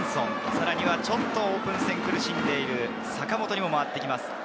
さらにはちょっとオープン戦、苦しんでいる坂本にも回ってきます。